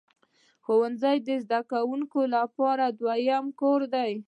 ښوونځی د زده کوونکو لپاره دویم کور دی.